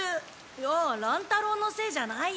いや乱太郎のせいじゃないよ。